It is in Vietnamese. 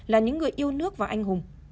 là những người yêu nước và anh hùng